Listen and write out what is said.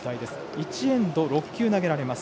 １エンド、６球投げられます。